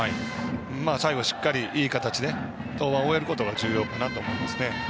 最後、しっかりいい形で登板を終えることが重要かなと思いますね。